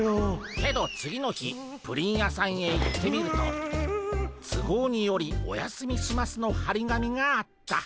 けど次の日プリン屋さんへ行ってみると「つごうによりお休みします」のはり紙があった。